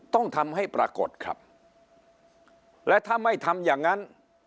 ต้องทำให้ปรากฏครับและถ้าไม่ทำอย่างนั้น